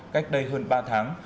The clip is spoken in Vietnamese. cách đây hơn ba tháng